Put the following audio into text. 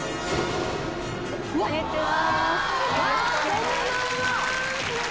こんにちは。